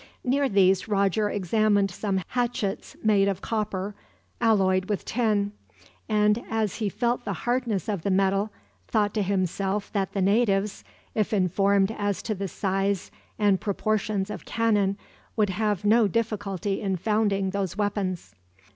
Near these Roger examined some hatchets made of copper, alloyed with tin; and as he felt the hardness of the metal, thought to himself that the natives, if informed as to the size and proportions of cannon, would have no difficulty in founding those weapons.